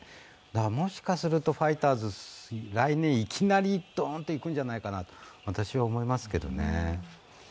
もしかするとファイターズ、来年いきなりどーんと行くんじゃないかなと私は思いますけどね。